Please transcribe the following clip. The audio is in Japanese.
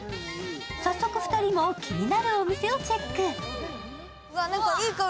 早速２人も気になるお店をチェック。